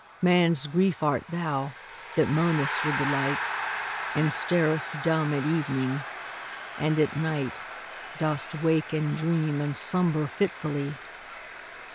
Man's Grief art thou, that moanest with the light, And starest dumb at evening — and at night Dost wake and dream and slumber fitfully